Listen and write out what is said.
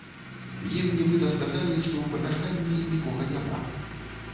Ім, нібыта, сказалі, што ў памяшканні нікога няма.